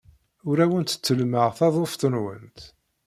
Ur awent-ttellmeɣ taḍuft-nwent.